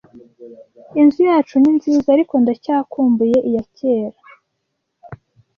Inzu yacu ni nziza, ariko ndacyakumbuye iyakera.